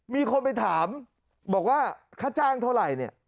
มีคนไปถามบอกว่าค่าจ้างเท่าไหร่เนี่ย